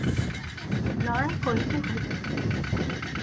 লড়াই করিতে হইবে।